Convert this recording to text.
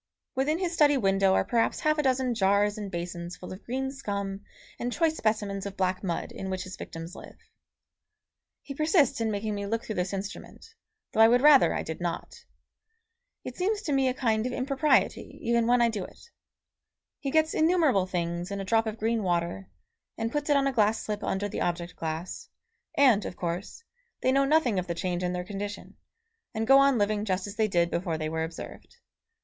Within his study window are perhaps half a dozen jars and basins full of green scum and choice specimens of black mud in which his victims live. He persists in making me look through this instrument, though I would rather I did not. It seems to me a kind of impropriety even when I do it. He gets innumerable things in a drop of green water, and puts it on a glass slip under the object glass, and, of course, they know nothing of the change in their condition, and go on living just as they did before they were observed.